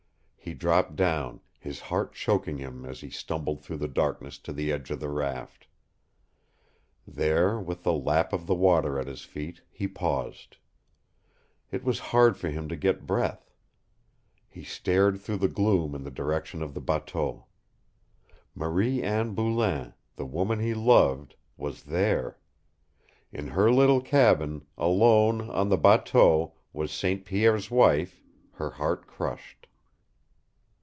He dropped down, his heart choking him as he stumbled through the darkness to the edge of the raft. There, with the lap of the water at his feet, he paused. It was hard for him to get Breath. He stared through the gloom in the direction of the bateau. Marie Anne Boulain, the woman he loved, was there! In her little cabin, alone, on the bateau, was St. Pierre's wife, her heart crushed.